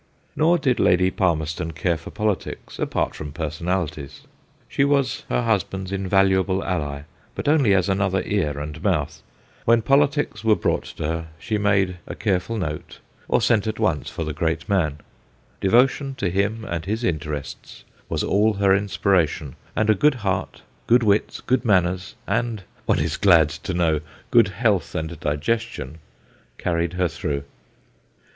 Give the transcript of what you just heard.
Nor did Lady Palmerston care for politics, apart from personalities. She was her husband's invaluable ally, but only as another ear and mouth. When politics were brought to her, A FALSE PROPHECY 135 she made a careful note or sent at once for the great man. Devotion to him and his interests was all her inspiration, and a good heart, good wits, good manners, and one is glad to know good health and digestion, carried her through.